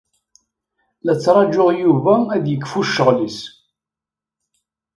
La ttṛajuɣ Yuba ad yekfu ccɣel-is.